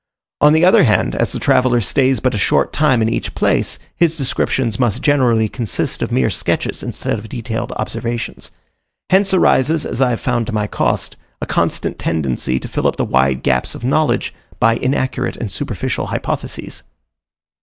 On the other hand, as the traveller stays but a short time in each place, his descriptions must generally consist of mere sketches, instead of detailed observations. Hence arises, as I have found to my cost, a constant tendency to fill up the wide gaps of knowledge, by inaccurate and superficial hypotheses.